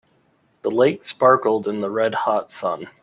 The lake sparkled in the red hot sun.